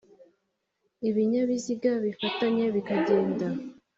ibinyabiziga bifatanye bikagenda